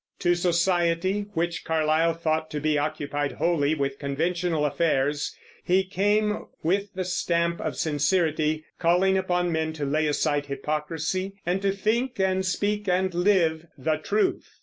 To society, which Carlyle thought to be occupied wholly with conventional affairs, he came with the stamp of sincerity, calling upon men to lay aside hypocrisy and to think and speak and live the truth.